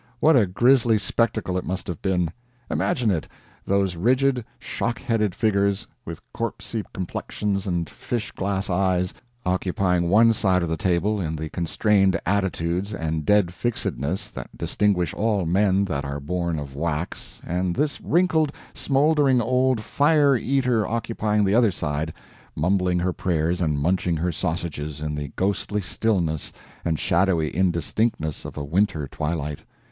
What a grisly spectacle it must have been! Imagine it: Those rigid, shock headed figures, with corpsy complexions and fish glass eyes, occupying one side of the table in the constrained attitudes and dead fixedness that distinguish all men that are born of wax, and this wrinkled, smoldering old fire eater occupying the other side, mumbling her prayers and munching her sausages in the ghostly stillness and shadowy indistinctness of a winter twilight.